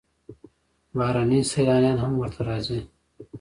بهرني سیلانیان هم ورته راځي.